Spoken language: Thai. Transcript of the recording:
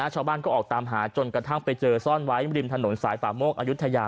ชาวบ้านก็ออกตามหาจนกระทั่งไปเจอซ่อนไว้ริมถนนสายป่าโมกอายุทยา